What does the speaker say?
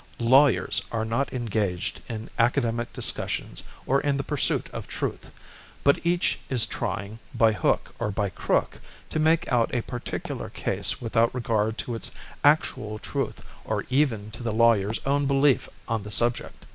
Lawyers are not engaged in academic discussions or in the pursuit of truth, but each is trying, by hook or by crook, to make out a particular case without regard to its actual truth or even to the lawyer's own belief on the subject.